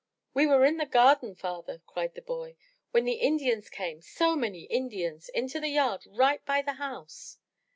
"We were in the garden, father,*' cried the boy, "when the Indians came, so many Indians, into the yard right by the house!"